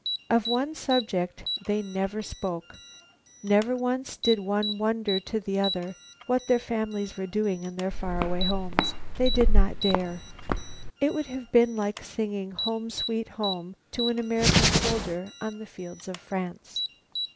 Of one subject they never spoke; never once did one wonder to the other what their families were doing in their far away homes. They did not dare. It would have been like singing "Home Sweet Home" to the American soldiers on the fields of France.